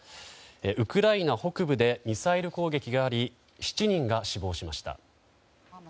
ウクライナ北部でミサイル攻撃があり７人が死亡しました。